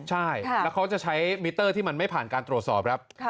ใช่แล้วเขาจะใช้มิเตอร์ที่มันไม่ผ่านการตรวจสอบครับ